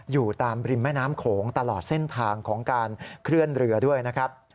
อยู่ตามริมแม่น้ำโขงตลอดเส้นทางของการเคลื่อนเรือด้วยนะครับ